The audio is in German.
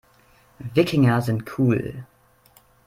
Wikinger sind cool.